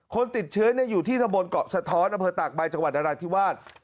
คนติดเชื้ออยู่ที่ตะบนเกาะสะท้อนอำเภอตากใบจังหวัดนราธิวาส